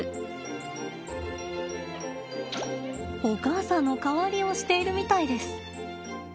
お母さんの代わりをしているみたいです。